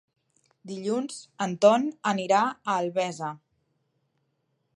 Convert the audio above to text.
Dilluns en Ton anirà a Albesa.